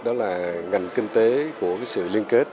đó là ngành kinh tế của sự liên kết